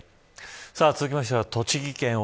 続きましては栃木県奥